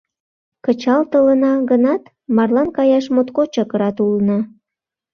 Кычалтылына гынат, марлан каяш моткочак рат улына.